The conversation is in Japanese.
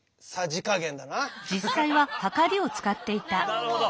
なるほど！